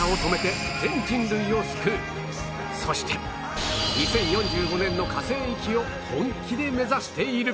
そして２０４５年の火星行きを本気で目指している